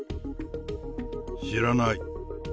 知らない。